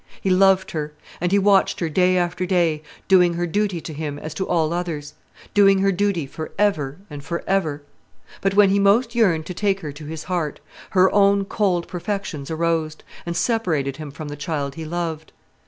He loved her; and he watched her day after day, doing her duty to him as to all others; doing her duty for ever and for ever; but when he most yearned to take her to his heart, her own cold perfections arose, and separated him from the child he loved.